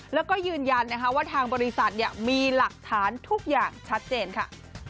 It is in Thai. แล้วก็ยืนยันนะคะว่าทางบริษัทมีหลักฐานทุกอย่างชัดเจนค่ะ